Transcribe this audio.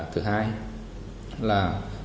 thứ hai là